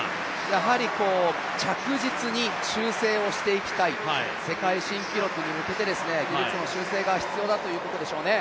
やはり着実に修正していきたい、世界新記録に向けて技術の修正が必要だということでしょうね。